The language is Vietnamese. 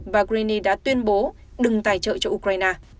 bà greeney đã tuyên bố đừng tài trợ cho ukraine